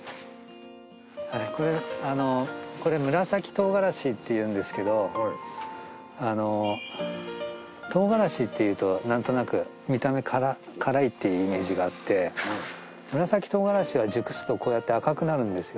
これ紫とうがらしって言うんですけどとうがらしって言うとなんとなく見た目辛いっていうイメージがあって紫とうがらしは熟すとこうやって赤くなるんですよ。